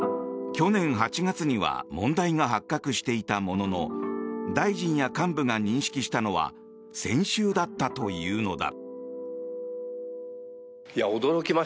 去年８月には問題が発覚していたものの大臣や幹部が認識したのは先週だったというのだ。